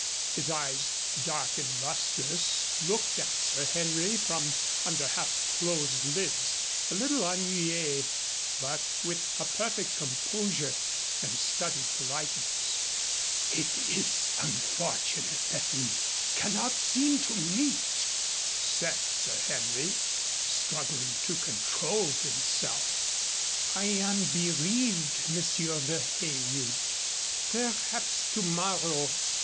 His eyes, dark and lustrous, looked at Sir Henry from under half closed lids, a little ennuyé, but with a perfect composure and studied politeness. "It is unfortunate that we cannot seem to meet," said Sir Henry, struggling to control himself. "I am bereaved, Monsieur de Heywood. Perhaps to morrow."